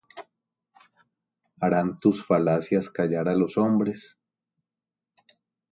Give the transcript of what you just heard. ¿Harán tus falacias callar á los hombres?